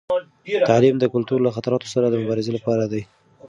تعلیم د کلتور له خطراتو سره د مبارزې لپاره دی.